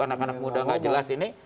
anak anak muda gak jelas ini